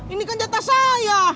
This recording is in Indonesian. ini kan jatah saya